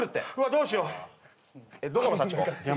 どうしよう。